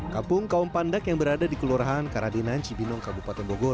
kampung kaum pandak yang berada di kelurahan karadinaan cibinong kabupaten bogor